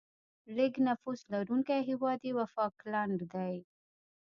لیږ نفوس لرونکی هیواد یې وفالکلند دی.